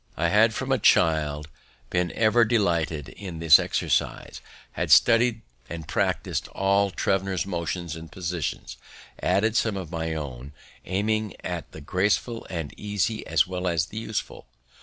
I had from a child been ever delighted with this exercise, had studied and practis'd all Thevenot's motions and positions, added some of my own, aiming at the graceful and easy as well as the useful.